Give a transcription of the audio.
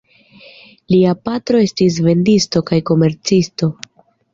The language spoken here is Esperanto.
Lia patro estis vendisto kaj komercisto.